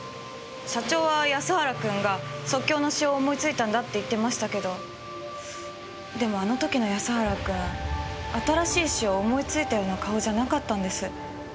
社長は安原君が即興の詩を思いついたんだって言ってましたけどでもあのときの安原君新しい詩を思いついたような顔じゃなかったんです。